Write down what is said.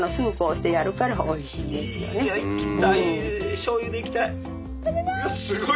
しょうゆでいきたい。